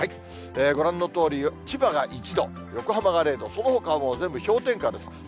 ご覧のとおり、千葉が１度、横浜が０度、そのほかも全部氷点下です。